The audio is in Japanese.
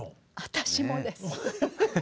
私もです。